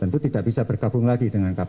tentu tidak bisa bergabung lagi dengan kpk